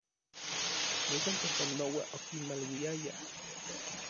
Yejuan sapanoa okimaluiayaj.